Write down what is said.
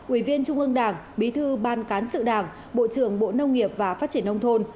ủy viên trung ương đảng bí thư ban cán sự đảng bộ trưởng bộ nông nghiệp và phát triển nông thôn